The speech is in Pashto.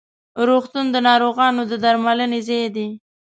روغتون د ناروغانو د درملنې ځای ده.